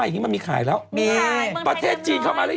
มีดนตรีด้วยมีเอสโฟร์เสื้อปลาเพียบเลย